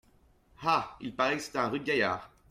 Ah ! il paraît que c’était un rude gaillard !